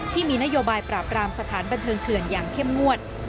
ที่มีนโยบายปราบรามสถานบันเทิงเถื่อนอย่างเข้มงวด